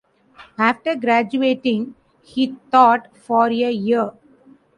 After graduating, he taught for a year.